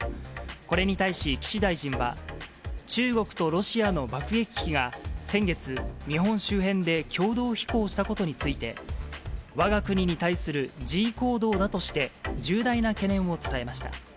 これに対し岸大臣は、中国とロシアの爆撃機が先月、日本周辺で共同飛行したことについて、わが国に対する示威行動だとして重大な懸念を伝えました。